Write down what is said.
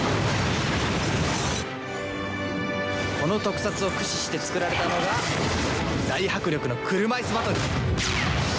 この特撮を駆使して作られたのが大迫力の車いすバトル。